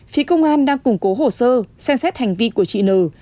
phía công an đang củng cố hồ sơ xem xét hành vi của chị nư